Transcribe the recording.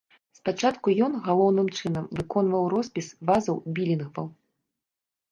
Спачатку ён, галоўным чынам, выконваў роспіс вазаў-білінгваў.